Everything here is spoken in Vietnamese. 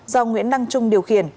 do nguyễn đăng trung điều khiển